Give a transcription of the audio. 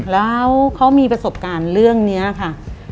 แล้วเขามีประสบการณ์เรื่องนี้ค่ะ